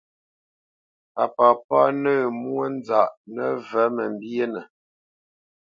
Pa papá nǝ̂ǝ̂ mwónzaʼ nǝvǝ̂ mǝmbyénǝ.